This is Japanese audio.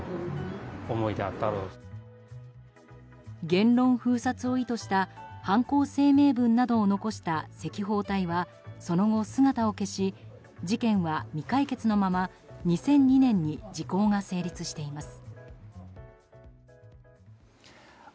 言論封殺を意図した犯行声明文などを残した赤報隊はその後、姿を消し事件は未解決のまま２００２年に時効が成立しています。